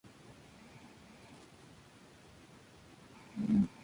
Es una competición cerrada a los clubes inscritos.